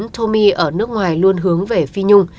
tommy ở nước ngoài luôn hướng về phi nhung